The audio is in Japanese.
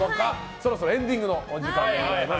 そろそろエンディングのお時間でございます。